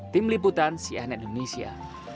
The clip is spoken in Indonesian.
tim liputan cna indonesia